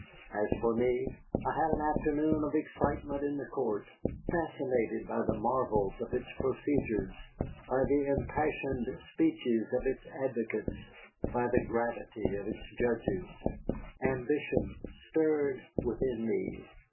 As for me, I had an afternoon of excitement in the court, fascinated by the marvels of its procedures, by the impassioned speeches of its advocates, by the gravity of its judges. Ambition stirred within me.